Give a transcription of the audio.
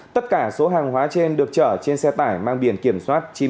tất cả số hàng hóa trên được chở trên xe tải mang biển kiểm soát chín mươi